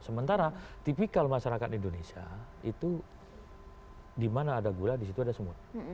sementara tipikal masyarakat indonesia itu di mana ada gula di situ ada semut